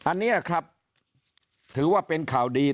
อันนี้ครับถือว่าเป็นข่าวดี